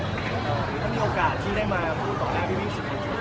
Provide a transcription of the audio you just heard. ถ้ามีโอกาสที่ได้มาพูดต่อได้ที่วิทยาศาสตร์